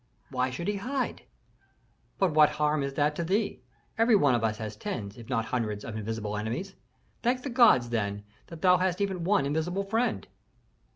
"Why should he hide?" "But what harm is that to thee? Each one of us has tens, if not hundreds, of invisible enemies. Thank the gods, then, that thou hast even one invisible friend."